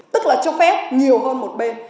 tức là cho phép nhiều hơn một bên